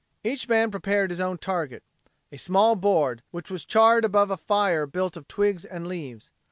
Each man prepared his own target a small board, which was charred over a fire built of twigs and leaves.